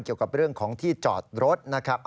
เกี่ยวกับเรื่องของที่จอดรถนะครับ